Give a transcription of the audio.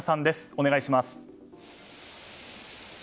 お願いします。